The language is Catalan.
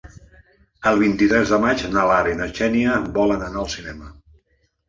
El vint-i-tres de maig na Lara i na Xènia volen anar al cinema.